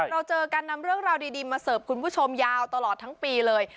เราเจอกันนำเรื่องราวดีมาเสิร์ฟคุณผู้ชมยาวตลอดทั้งปีเลย